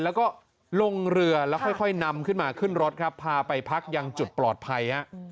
แล้วก็ลงเรือแล้วค่อยนำขึ้นมาขึ้นรถครับพาไปพักยังจุดปลอดภัยฮะ